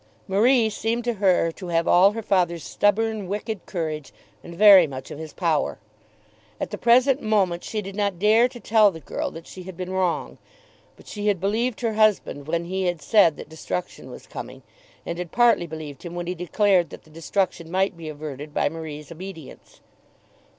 Marie seemed to her to have all her father's stubborn, wicked courage, and very much of his power. At the present moment she did not dare to tell the girl that she had been wrong. But she had believed her husband when he had said that destruction was coming, and had partly believed him when he declared that the destruction might be averted by Marie's obedience.